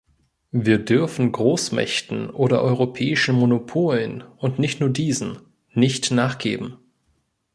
Wir dürfen Großmächten oder europäischen Monopolen, und nicht nur diesen, nicht nachgeben.